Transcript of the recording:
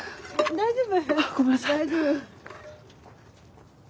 大丈夫。